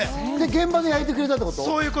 現場で焼いてくれたってこと？